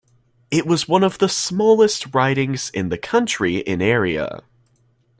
It was one of the smallest ridings in the country in area.